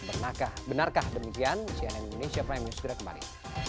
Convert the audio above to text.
benarkah benarkah demikian cnn indonesia prime news segera kembali